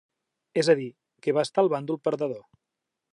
És a dir, que va estar al bàndol perdedor.